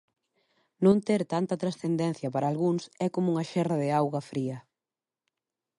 Non ter tanta transcendencia para algúns é como unha xerra de auga fría.